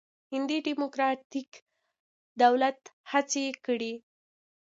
هندي ډموکراتیک دولت هڅې کړې.